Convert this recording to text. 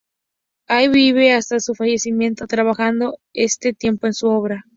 Allí vive hasta su fallecimiento, trabajando este tiempo en su obra.